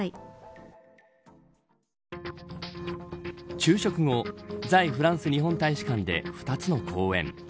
昼食後在フランス日本大使館で２つの講演。